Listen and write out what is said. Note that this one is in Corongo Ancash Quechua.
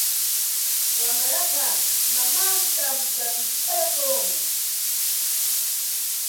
Wamraqa mamantam qatiparqun.